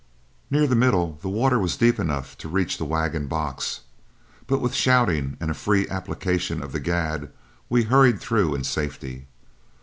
Near the middle the water was deep enough to reach the wagon box, but with shoutings and a free application of the gad, we hurried through in safety.